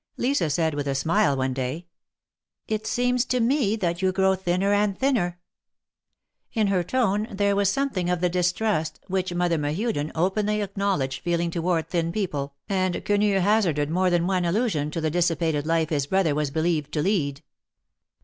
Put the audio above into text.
Lisa said with a smile one day ; It seems to me that you grow thinner and thinner." In her tone there was something of the distrust, which Mother Mehuden openly acknowledged feeling toward thin people, and Quenu hazarded more than one allusion to the dissipated life his brother was believed to lead.